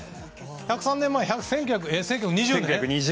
１０３年前は１９２０年。